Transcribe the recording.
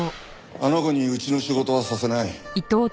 あの子にうちの仕事はさせない。